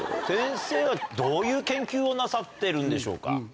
先生はどういう研究をなさってるんでしょうか？